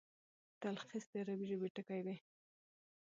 تلخیص د عربي ژبي ټکی دﺉ.